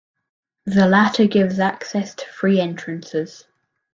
The latter gives access to three entrances.